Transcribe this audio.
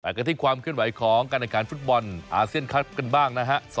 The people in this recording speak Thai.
กันที่ความเคลื่อนไหวของการแข่งขันฟุตบอลอาเซียนคลับกันบ้างนะฮะ